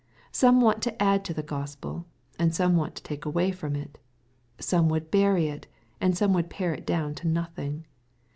Some want to add to the Gospel, and some want to take away from it. Some would bury it, and some would pare it down to nothing.